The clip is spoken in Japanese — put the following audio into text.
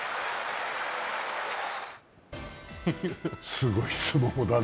すごい相撲だね。